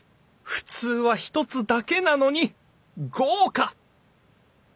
普通は１つだけなのに豪華！